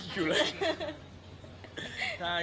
เมื่อก่อนแต่งผมยังไปวิ่งอยู่เลย